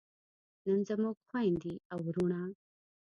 نن زموږ خویندې او وروڼه